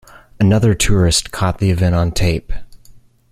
Another tourist caught the event on tape.